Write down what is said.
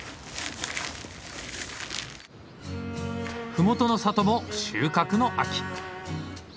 ふもとの里も収穫の秋。